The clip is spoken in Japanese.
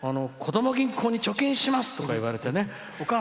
そして、子ども銀行に貯金します！とか言われてね。